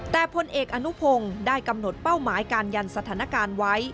แต่พลเอกอนุพงศ์ได้กำหนดเป้าหมายการยันสถานการณ์ไว้